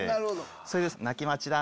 それで。